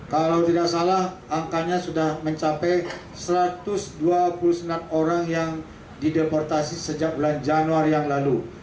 kalau tidak salah angkanya sudah mencapai satu ratus dua puluh sembilan orang yang dideportasi sejak bulan januari yang lalu